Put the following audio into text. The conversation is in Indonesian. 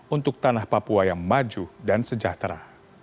untuk tanah papua yang maju dan sejahtera